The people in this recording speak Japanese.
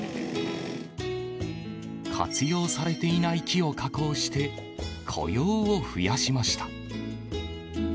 活用されていない木を加工して雇用を増やしました。